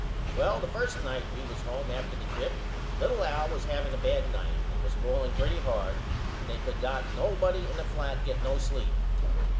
Well the 1st night we was home after the trip little Al was haveing a bad night and was balling pretty hard and they could not nobody in the flat get no sleep.